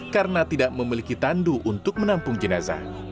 karena tidak memiliki tandu untuk menampung jenazah